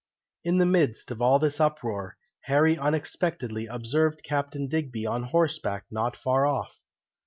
In the midst of all this uproar, Harry unexpectedly observed Captain Digby on horseback not far off.